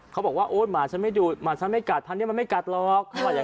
เขาบอกว่าโอ๊ยหมาฉันไม่ดูดหมาฉันไม่กัดพันนี้มันไม่กัดหรอก